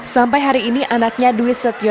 sampai hari ini anaknya dwi setiawan